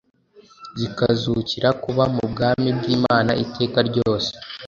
zikazukira kuba mu bwami bw’Imana iteka ryose.